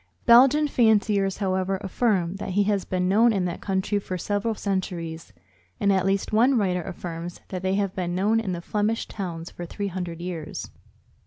Belgian fanciers, however, affirm that he has been known in that country for several centuries; and at least one writer affirms that they have been known in the Flemish towns for three hundred years.